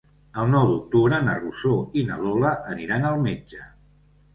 El nou d'octubre na Rosó i na Lola aniran al metge.